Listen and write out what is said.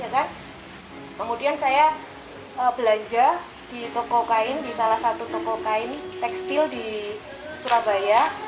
kemudian saya belanja di toko kain di salah satu toko kain tekstil di surabaya